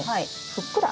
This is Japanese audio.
ふっくら。